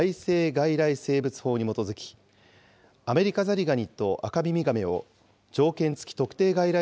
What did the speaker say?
外来生物法に基づき、アメリカザリガニとアカミミガメを条件付特定外来